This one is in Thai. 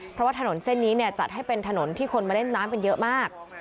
เพราะว่าถนนเส้นนี้จัดให้เป็นถนนที่คนมาเล่นน้ำกันเยอะมาก